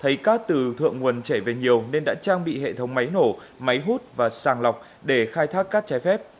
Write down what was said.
thấy cát từ thượng nguồn chảy về nhiều nên đã trang bị hệ thống máy nổ máy hút và sàng lọc để khai thác cát trái phép